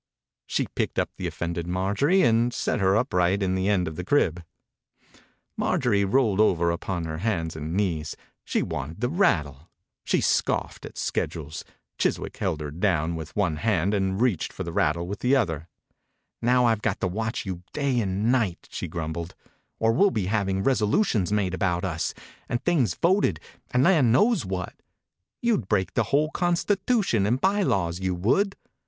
She picked up the offended Marjorie and set her upright in the end of the crib. Marjorie rolled over upon her hands and knees. She wanted the rattle. She scoffed at schedules. Chis wick held her down with one 55 THE INCUBATOR BABY hand and reached for the rattle with the other. «« Now I Ve got to watch you day and night," she grumbled, "or we*ll be having resolutions made about us, and things voted, and land knows whatl You'd break the whole constitution and by laws, you would."